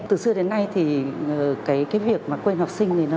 từ xưa đến nay cái việc quên học sinh